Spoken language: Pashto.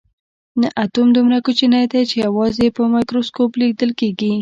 نه اتوم دومره کوچنی دی چې یوازې په مایکروسکوپ لیدل کیږي